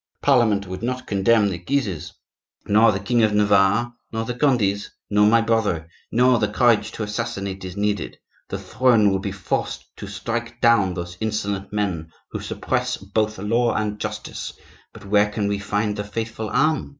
Parliament would not condemn the Guises, nor the king of Navarre, nor the Condes, nor my brother. No! the courage to assassinate is needed; the throne will be forced to strike down those insolent men who suppress both law and justice; but where can we find the faithful arm?